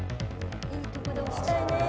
いいとこで押したいね。